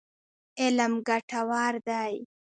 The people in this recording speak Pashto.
علم ګټور دی.